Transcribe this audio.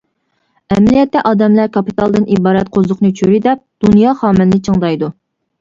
ئەمەلىيەتتە ئادەملەر كاپىتالدىن ئىبارەت قوزۇقنى چۆرىدەپ، دۇنيا خامىنىنى چىڭدايدۇ.